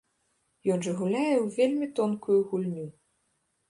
Ён жа гуляе ў вельмі тонкую гульню.